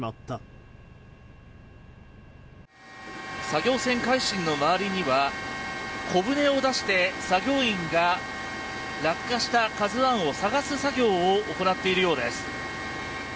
作業船「海進」の周りには小船を出して作業員が落下した「ＫＡＺＵ１」を探す作業を行っているようです。